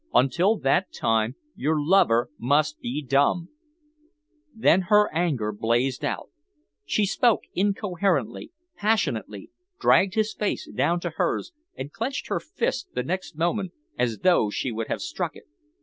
Until that time your lover must be dumb." Then her anger blazed out. She spoke incoherently, passionately, dragged his face down to hers and clenched her fist the next moment as though she would have struck it.